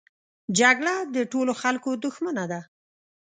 جګړه د ټولو خلکو دښمنه ده